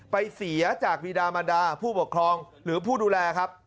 เสียจากวีดามันดาผู้ปกครองหรือผู้ดูแลครับ